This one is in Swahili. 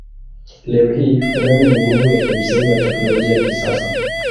Leo hii umeme ni nguvu ya kimsingi wa teknolojia ya kisasa.